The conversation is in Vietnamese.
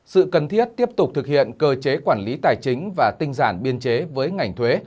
sự cần thiết tiếp tục thực hiện cơ chế quản lý tài chính và tinh giản biên chế với ngành thuế